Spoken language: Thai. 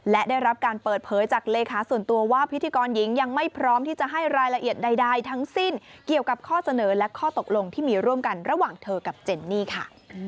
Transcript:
และได้รับการเปิดเผยจากเลขาส่วนตัวว่าพิธีกรหญิงยังไม่พร้อมที่จะให้รายละเอียดใดทั้งสิ้นเกี่ยวกับข้อเสนอและข้อตกลงที่มีร่วมกันระหว่างเธอกับเจนนี่ค่ะ